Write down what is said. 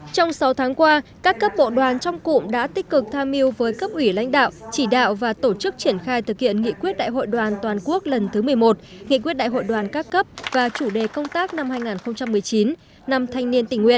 trong sáu tháng qua các cấp bộ đoàn trong cụm đã tích cực tham mưu với cấp ủy lãnh đạo chỉ đạo và tổ chức triển khai thực hiện nghị quyết đại hội đoàn toàn quốc lần thứ một mươi một nghị quyết đại hội đoàn các cấp và chủ đề công tác năm hai nghìn một mươi chín năm thanh niên tình nguyện